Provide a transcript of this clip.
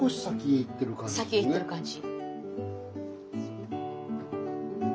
先行ってる感じ。